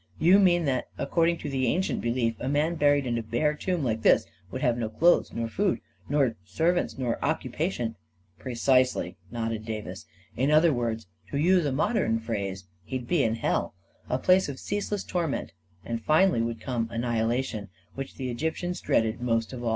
"You mean that, according to the ancient belief, a man buried in a bare tomb like this would have no clothes, nor food, nor serv ants, nor occupation ..•"" Precisely," nodded Davis. " In other words, to use a modern phrase, he'd be in hell — a place of ceaseless torment and finally would come annihila tion, which the Egyptians dreaded most of all."